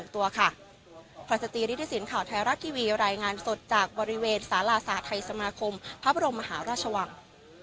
ทหาราชวัง